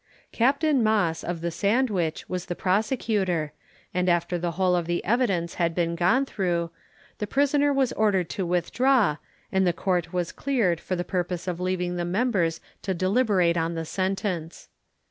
Captain Moss, of the Sandwich, was the prosecutor, and after the whole of the evidence had been gone through, the prisoner was ordered to withdraw, and the court was cleared for the purpose of leaving the members to deliberate on the sentence.